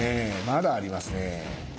まだありますね。